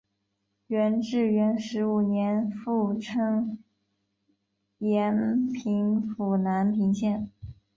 元至元十五年复称延平府南平县。